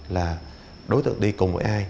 là đối tượng đi cùng với ai